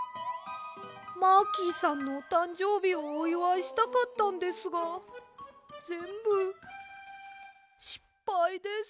マーキーさんのおたんじょうびをおいわいしたかったんですがぜんぶしっぱいです。